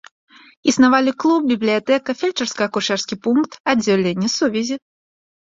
Існавалі клуб, бібліятэка, фельчарска-акушэрскі пункт, аддзяленне сувязі.